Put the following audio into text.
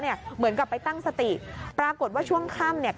เหมือนกับไปตั้งสติปรากฏว่าช่วงค่ำเนี่ย